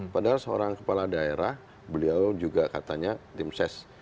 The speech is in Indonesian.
padahal seorang kepala daerah beliau juga katanya tim ses